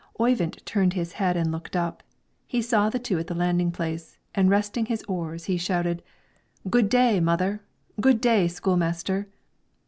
Oyvind turned his head and looked up; he saw the two at the landing place, and resting his oars, he shouted, "Good day, mother! Good day, school master!"